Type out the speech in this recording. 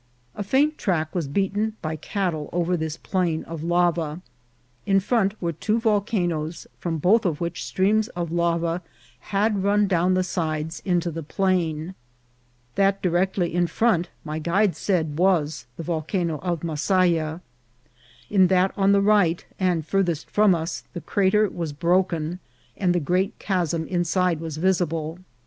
A faint track was beaten by cattle over this plain of lava. In front were two volcanoes, from both of which streams of lava had run down the sides into the plain. That directly in front my guide said was the Volcano of Masaya. In that on the right, and far thest from us, the crater was broken, and the great chasm inside was visible.